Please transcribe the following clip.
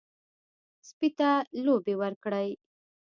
سپي ته لوبې ورکړئ.